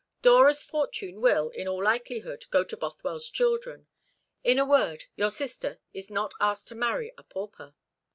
Dora's fortune will, in all likelihood, go to Bothwell's children. In a word, your sister is not asked to marry a pauper."